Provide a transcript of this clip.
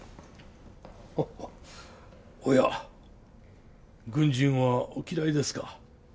おや軍人はお嫌いですか？